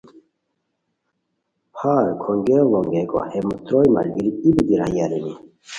پھار کھونگیر ڑینگیکو ہے تروئے ملگیری ای بیتی راہی ارینی